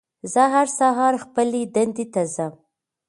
زه هر سهار خپلې دندې ته ځم